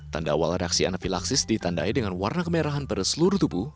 tanda awal reaksi anafilaksis ditandai dengan warna kemerahan pada seluruh tubuh